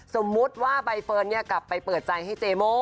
สมมุติว่าใบเฟิร์นกลับไปเปิดใจให้เจโม่